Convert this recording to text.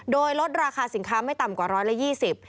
โดยลดราคาสินค้าไม่ต่ำกว่า๑๒๐บาท